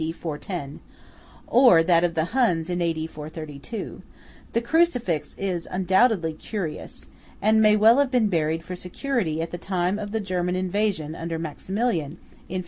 D. 410, or that of the Huns in A.D. 432, the crucifix is undoubtedly curious, and may well have been buried for security at the time of the German invasion under Maximilian in A.D.